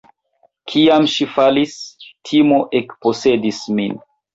Kiam ŝi falis, timo ekposedis min.